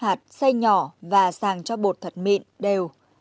đem tách hạt xay nhỏ và sàng cho bột thật mịn đều